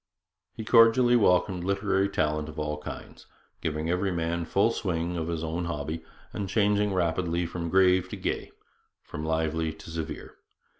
He cordially welcomed literary talent of all kinds, giving every man full swing on his own hobby, and changing rapidly from grave to gay, from lively to severe.